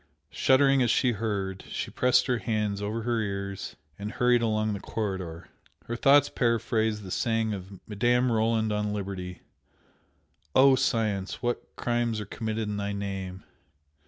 Shuddering as she heard, she pressed her hands over her ears and hurried along the corridor. Her thoughts paraphrased the saying of Madame Roland on Liberty "Oh, Science! what crimes are committed in thy name!"